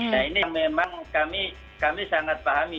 nah ini memang kami sangat pahami